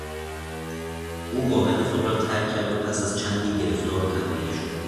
او واحد خود را ترک کرد و پس از چندی گرفتار و تنبیه شد.